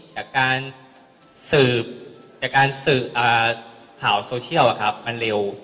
จากการสืบข่าวโซเชียลอะครับมันเร็ว